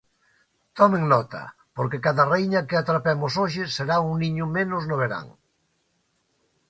Tomen nota, porque cada raíña que atrapemos hoxe será un niño menos no verán.